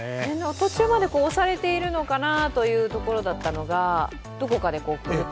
途中まで押されているのかなというところだったのが、どこかでくるっと？